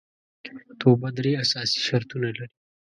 توبه درې اساسي شرطونه لري